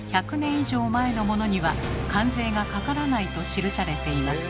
以上前のモノには関税がかからないと記されています。